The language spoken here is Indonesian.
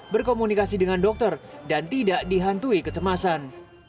berkomunikasi dengan dokter dan tidak dihantui kecemasan